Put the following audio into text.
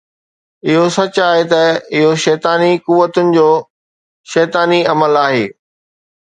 اهو سچ آهي ته اهو شيطاني قوتن جو شيطاني عمل آهي